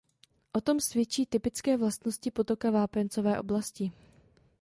O tom svědčí typické vlastnosti potoka vápencové oblasti.